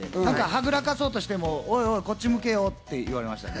はぐらかそうとしても、おいおいこっち向けよ！とか言われました。